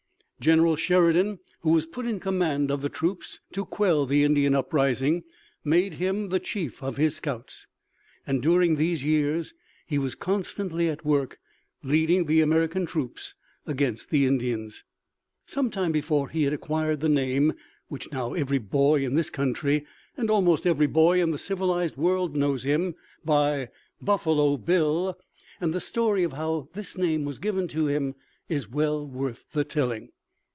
General Sheridan, who was put in command of the troops to quell the Indian uprising, made him the chief of his scouts, and during these years he was constantly at work leading the American troops against the Indians. Some time before he had acquired the name which now every boy in this country and almost every boy in the civilized world knows him by "Buffalo Bill" and the story of how this name was given to him is well worth the telling.